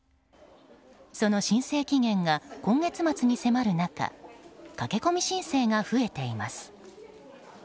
その申請期限が今月末に迫る中駆け込み申請が増えています。